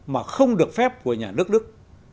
mà không được phép của nhà nước đức